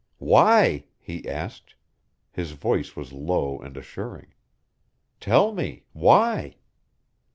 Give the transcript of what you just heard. "Why?" he asked. His voice was low and assuring. "Tell me why?"